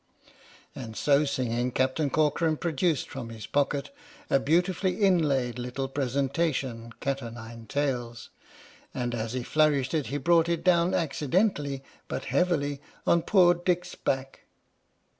And, so singing, Captain Corcoran produced from his pocket a beautifully inlaid little presentation "cat o' nine tails," and, as he flourished it, he brought it down accidentally (but heavily) on poor Dick's back.